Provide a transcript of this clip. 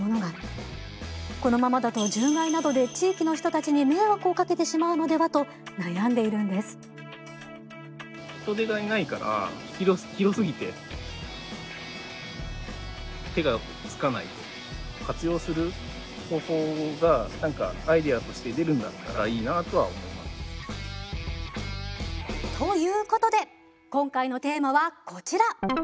このままだと獣害などで地域の人たちに迷惑をかけてしまうのではと悩んでいるんです。ということで今回のテーマはこちら。